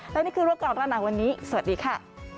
และนี่คือรูปก่อนร้อนหนาวันนี้สวัสดีค่ะ